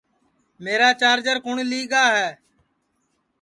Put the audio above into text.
میرا چارجر کُوٹؔ لی گا ہے